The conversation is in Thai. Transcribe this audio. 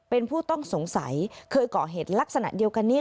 เป็นผู้ต้องสงสัยเคยเกาะเหตุลักษณะเดียวกันนี้